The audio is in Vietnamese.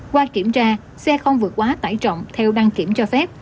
qua kiểm tra xe không vượt quá tải trọng theo đăng kiểm cho phép